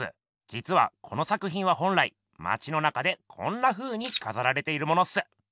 じつはこの作品は本来まちの中でこんなふうにかざられているものっす。